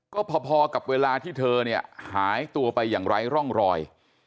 ก็พอกับเวลาที่เธอเนี่ยหายตัวไปอย่างไร้ร่องรอย